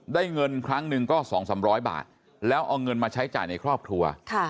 ได้เงินครั้งหนึ่งก็๒๓๐๐บาทแล้วเอาเงินมาใช้จ่ายในครอบครัว